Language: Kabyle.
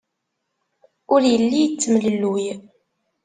Ur yelli yettemlelluy.